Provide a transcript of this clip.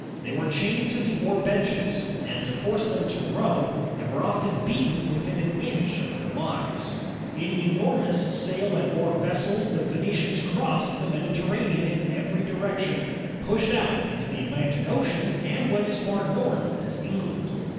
They were chained to the oar benches, and to force them to row, they were often beaten within an inch of their lives. In enor mous sail and oar vessels the Phoenicians crossed the Medi terranean in every direction, pushed out into the Atlantic Ocean, and went as far north as England.